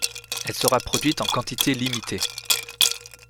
Elle sera produite en quantité limitée.